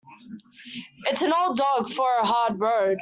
It's an old dog for a hard road.